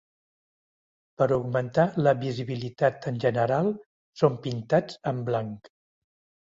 Per augmentar la visibilitat en general són pintats en blanc.